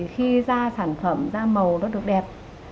khi da sản phẩm da màu nó được đẹp